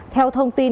theo thông tin